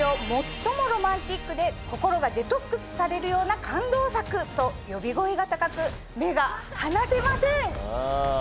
心がデトックスされるような感動作と呼び声が高く目が離せません！